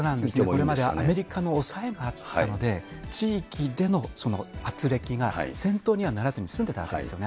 これまでアメリカの抑えがあったので、地域でのあつれきが戦闘にはならずに済んでたわけですよね。